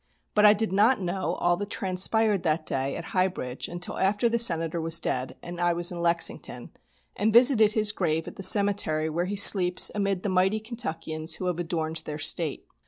But I did not know all that transpired that day at High Bridge until after the Senator was dead, and I was in Lexington, and visited his grave at the cemetery where he sleeps amid the mighty Kentuckians who have adorned their State.